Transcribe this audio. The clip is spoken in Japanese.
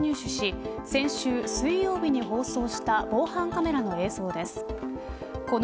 この映像はめざまし８が独自入手し先週水曜日に放送した防犯カメラの映像です。